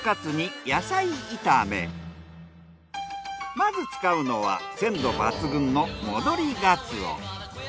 まず使うのは鮮度抜群の戻りガツオ。